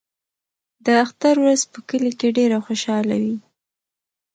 د اختر ورځ په کلي کې ډېره خوشحاله وي.